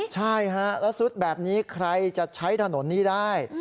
ใช่ฮะแล้วซุดแบบนี้ใครจะใช้ถนนนี้ได้